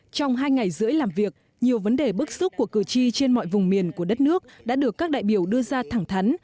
trong hai ngày rưỡi làm việc nhiều vấn đề bức xúc của cử tri trên mọi vùng miền của đất nước đã được các đại biểu đưa ra thẳng thắn